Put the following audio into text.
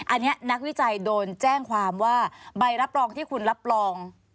อันนี้นักวิจัยโดนแจ้งความว่าใบรับรองที่คุณรับรอง